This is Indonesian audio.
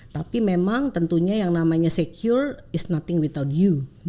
tapi memang tentunya yang namanya secure is nothing without you